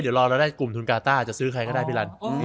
เดี๋ยวรอเราได้กลุ่มทุนกาต้าจะซื้อใครก็ได้พี่รัน